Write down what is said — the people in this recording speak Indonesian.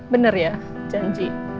bener ya janji